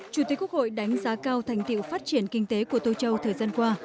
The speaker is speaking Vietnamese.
chủ tịch quốc hội đánh giá cao thành tiệu phát triển kinh tế của tô châu thời gian qua